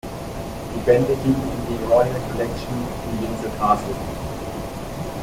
Die Bände gingen in die Royal Collection in Windsor Castle.